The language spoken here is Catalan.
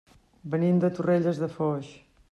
Venim de Torrelles de Foix.